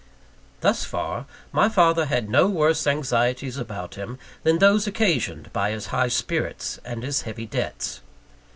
Thus far, my father had no worse anxieties about him than those occasioned by his high spirits and his heavy debts.